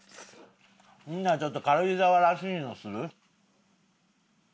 ほんならちょっと軽井沢らしいのする？